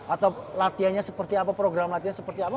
atau latihannya seperti apa program latihan seperti apa